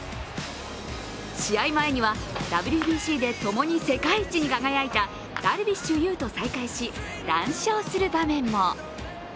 試合前にはＷＢＣで共に世界一に輝いたダルビッシュ有と再会し談笑する場面も。